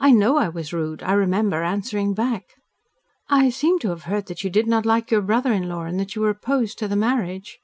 I know I was rude. I remember answering back." "I seem to have heard that you did not like your brother in law, and that you were opposed to the marriage."